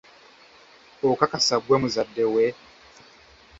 Okakasa ggwe muzadde we?